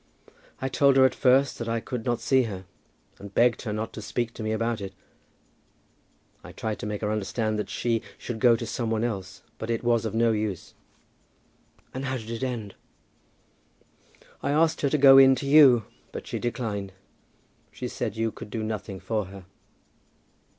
"I told her at first that I could not see her, and begged her not to speak to me about it. I tried to make her understand that she should go to some one else. But it was of no use." "And how did it end?" "I asked her to go in to you, but she declined. She said you could do nothing for her."